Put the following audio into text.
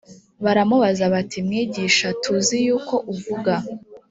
baramubaza bati mwigisha tuzi yuko uvuga